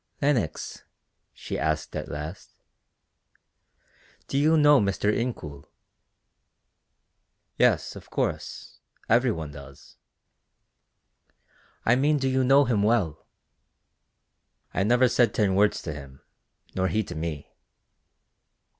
"Lenox," she asked at last, "do you know Mr. Incoul?" "Yes, of course; every one does." "I mean do you know him well?" "I never said ten words to him, nor he to me."